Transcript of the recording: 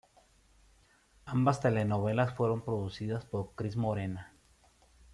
Ambas telenovelas fueron producidas por Cris Morena.